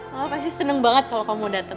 mama pasti seneng banget kalo kamu dateng